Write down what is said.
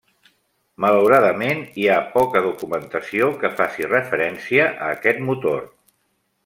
Malauradament, hi ha poca documentació que faci referència a aquest motor.